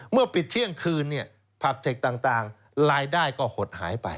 เมื่อปิดเที่ยงคืนผับเทคต่างรายได้ก็หดหายไป